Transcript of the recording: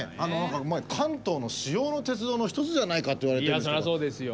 関東の主要の鉄道の一つじゃないかって言われているんですよ。